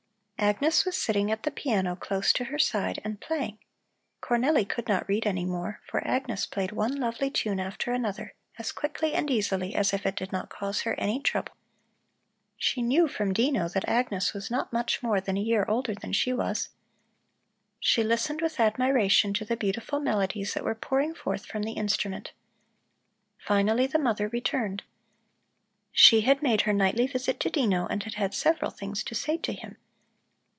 Agnes was sitting at the piano close to her side and playing. Cornelli could not read any more, for Agnes played one lovely tune after another as quickly and easily as if it did not cause her any trouble. She knew from Dino that Agnes was not much more than a year older than she was. She listened with admiration to the beautiful melodies that were pouring forth from the instrument. Finally the mother returned. She had made her nightly visit to Dino and had had several things to say to him.